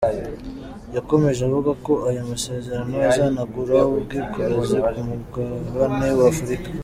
Yakomeje avuga ko aya masezerano azanagura ubwikorezi ku mugabane w’Afurika.